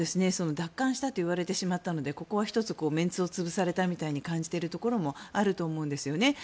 奪還したと言われてしまったのでここは１つメンツを潰されたみたいに感じているところはあると思うんですよね。